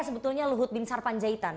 sebetulnya lehut bin sarpanjaitan